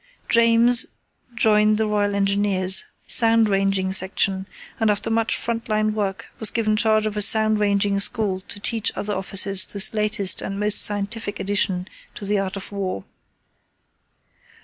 James joined the Royal Engineers, Sound Ranging Section, and after much front line work was given charge of a Sound Ranging School to teach other officers this latest and most scientific addition to the art of war.